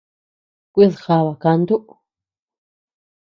Kuid jaba kaantu.